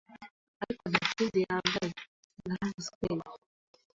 ariko nta kindi yambaye. Naramusweye